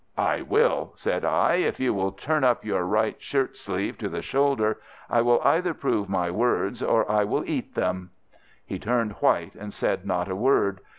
"'I will!' said I. 'If you will turn up your right shirt sleeve to the shoulder, I will either prove my words or I will eat them.' "He turned white and said not a word.